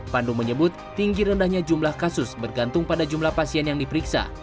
pandu menyebut tinggi rendahnya jumlah kasus bergantung pada jumlah pasien yang diperiksa